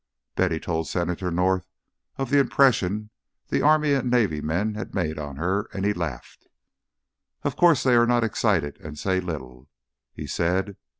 Betty told Senator North of the impression the Army and Navy men had made on her, and he laughed. "Of course they are not excited and say little," he said.